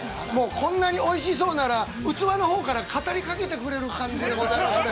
こんなにおいしそうなら、器のほうから語りかけてくれる感じでございますね。